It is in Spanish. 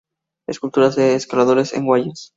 Esculturas de Escaladores en Guayas.